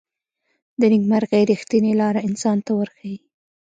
د نیکمرغۍ ریښتینې لاره انسان ته ورښيي.